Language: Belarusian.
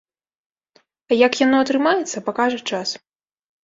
А як яно атрымаецца, пакажа час.